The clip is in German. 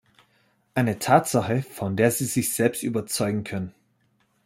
Eine Tatsache, von der Sie sich selbst überzeugen können.